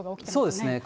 そうですね。